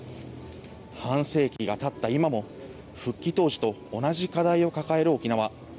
半世紀がたった今も復帰当時と同じ課題を抱える沖縄。